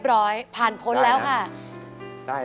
ร้องได้ร้องได้